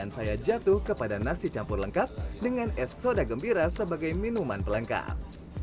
saya jatuh kepada nasi campur lengkap dengan es soda gembira sebagai minuman pelengkap